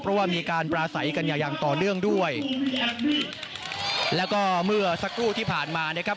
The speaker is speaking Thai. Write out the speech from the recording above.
เพราะว่ามีการปราศัยกันอย่างต่อเนื่องด้วยแล้วก็เมื่อสักครู่ที่ผ่านมานะครับ